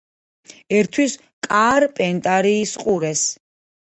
ერთვის კარპენტარიის ყურეს.